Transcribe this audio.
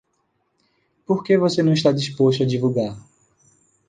Por que você não está disposto a divulgar?